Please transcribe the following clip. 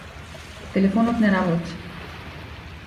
Телефонот не работи.